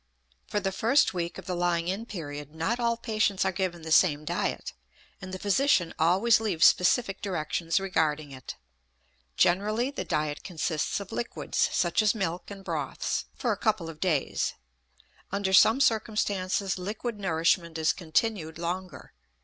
For the first week of the lying in period not all patients are given the same diet, and the physician always leaves specific directions regarding it. Generally the diet consists of liquids, such as milk and broths, for a couple of days; under some circumstances liquid nourishment is continued longer.